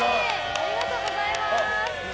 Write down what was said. ありがとうございます。